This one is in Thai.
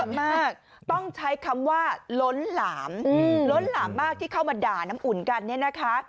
มากต้องใช้คำว่าล้นหลามล้นหลามมากที่เข้ามาด่าน้ำอุ่นกันเนี่ยนะคะ